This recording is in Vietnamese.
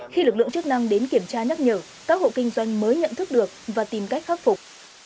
khi lực lượng chức năng đến kiểm tra nhắc nhở các hộ kinh doanh mới nhận thức được và tìm cách khắc phục